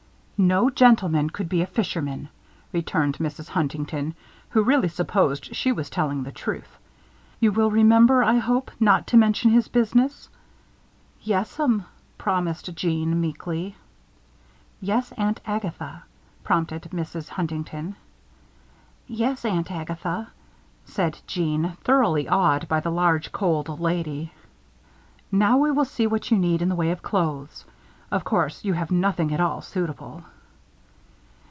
"No gentleman could be a fishman," returned Mrs. Huntington, who really supposed she was telling the truth. "You will remember, I hope, not to mention his business!" "Yes'm," promised Jeanne, meekly. "Yes, Aunt Agatha," prompted Mrs. Huntington. "Yes, Aunt Agatha," said Jeanne, thoroughly awed by the large, cold lady. "Now we will see what you need in the way of clothes. Of course you have nothing at all suitable."